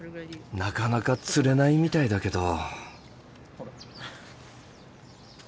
なかなか釣れないみたいだけど。